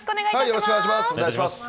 よろしくお願いします。